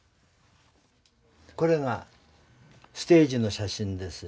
これがステージの写真です。